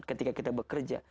ketika kita bekerja